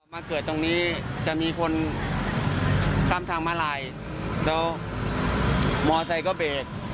มาเกิดตรงนี้จะมีคนข้ามทางมาลายแล้วมอไซค์ก็เบรก